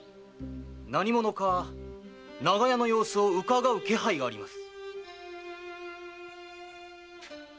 何者か長屋の様子を窺う気配があります。